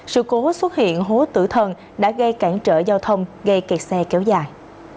sự cố xuất hiện hố tử thần đã gây cản trở giao thông gây kẹt xe kéo dài